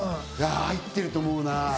入ってると思うな。